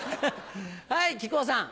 はい木久扇さん。